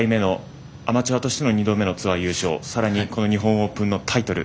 アマチュアとして２回目のツアー優勝さらに日本オープンのタイトル